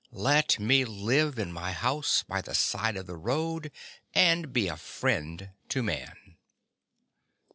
Let me live in my house by the side of the road And be a friend to man.